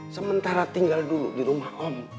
sementara tinggal dulu di rumah om